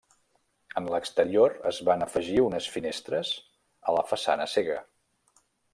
En l'exterior, es van afegir unes finestres a la façana cega.